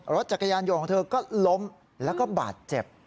รถจักรยานยนต์ของเธอก็ล้มแล้วก็บาดเจ็บ